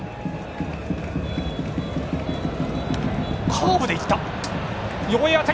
カーブで行った！